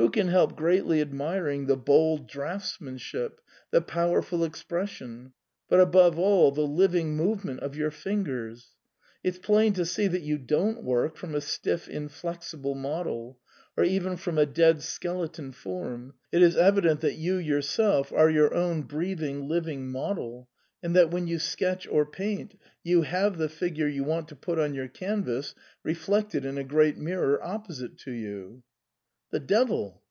Who can help greatly admiring the bold 78 SIGNOR FORMICA. draughtsmanship, the powerful expression, but above all the living movement of your fingers ? It*s plain to see that you don't work from a stiff, inflexible model, ^ or even from a dead skeleton form ; it is evident that you yourself are your own breathing, living model, and that when you sketch or paint, you have the figure you want to put on your canvas reflected in a great mirror opposite to you." " The devil